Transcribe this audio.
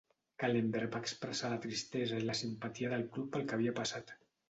Kahlenberg va expressar la tristesa i la simpatia del club pel que havia passat.